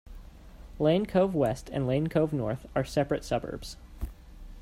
Lane Cove West and Lane Cove North are separate suburbs.